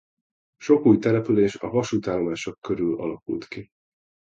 Sok új település a vasútállomások körül alakult ki.